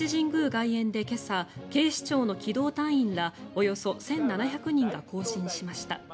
外苑で今朝警視庁の機動隊員らおよそ１７００人が行進しました。